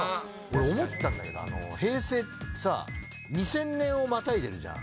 思ったんだけど平成ってさ２０００年をまたいでるじゃん。